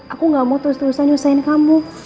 aku gak mau terus terusan nyusahin kamu